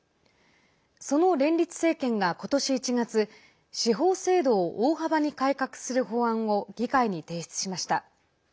その連立政権が今年１月司法制度を大幅に改革する法案を議会に提出しました。